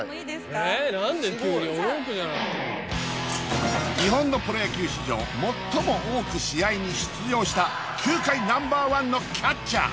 えっ？何で急に驚くじゃない日本のプロ野球史上最も多く試合に出場した球界ナンバーワンのキャッチャー